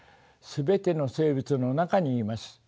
全ての生物の中にいます。